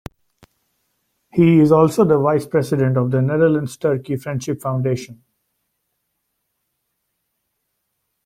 He is also the vice president of The Netherlands - Turkey Friendship Foundation.